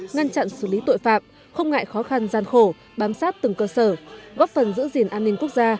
ngăn chặn xử lý tội phạm không ngại khó khăn gian khổ bám sát từng cơ sở góp phần giữ gìn an ninh quốc gia